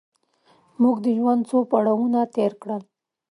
موږ د ژوند څو پړاوونه تېر کړل.